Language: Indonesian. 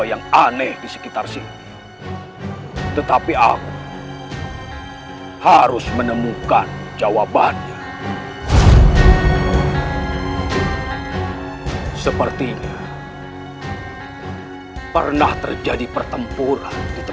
jangan sampai keluar dari kuat terkutuk itu